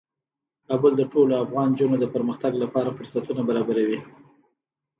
کابل د ټولو افغان نجونو د پرمختګ لپاره فرصتونه برابروي.